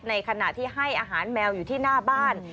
ในขณะที่ให้อาหารแมวอยู่ที่หน้าบ้าน